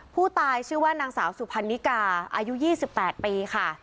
ผู้ตายชื่อว่านางสาวสุพรรณิกาอายุ๒๘ปีค่ะ